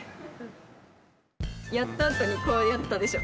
やったあとにこうやったでしょ！